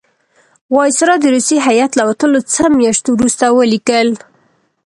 وایسرا د روسی هیات له وتلو څه میاشت وروسته ولیکل.